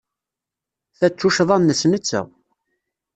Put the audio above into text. Ta d tuccḍa-nnes netta.